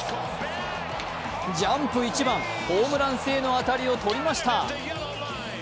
ジャンプ一番、ホームラン性の当たりをとりました。